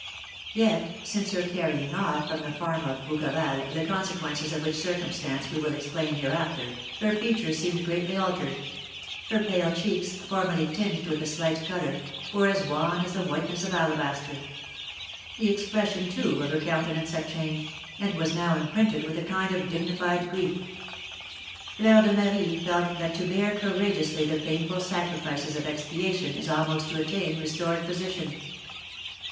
Yet, since her carrying off from the farm of Bouqueval (the consequences of which circumstance we will explain hereafter), her features seemed greatly altered; her pale cheeks, formerly tinged with a slight colour, were as wan as the whiteness of alabaster; the expression, too, of her countenance had changed, and was now imprinted with a kind of dignified grief. Fleur de Marie felt that to bear courageously the painful sacrifices of expiation is almost to attain restored position.